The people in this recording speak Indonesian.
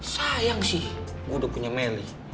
sayang sih gue udah punya meli